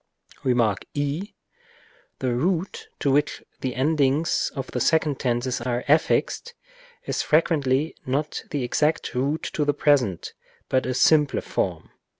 Rem. i. The root to which the endings of the second tenses are affixed is frequently not the exact root of the present, but a simpler form.